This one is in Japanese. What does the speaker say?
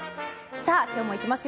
さあ、今日も行きますよ。